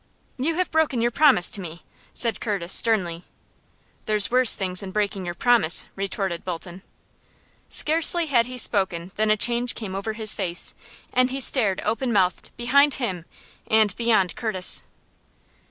"You have broken your promise to me!" said Curtis, sternly. "There's worse things than breaking your promise," retorted Bolton. Scarcely had he spoken than a change came over his face, and he stared open mouthed behind him and beyond Curtis.